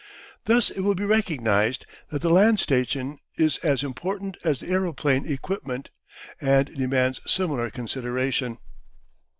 Thus it will be recognised that the land station is as important as the aeroplane equipment, and demands similar consideration.